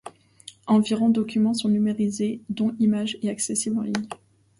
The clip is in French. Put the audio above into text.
Environ documents sont numérisés, dont images et accessibles en ligne.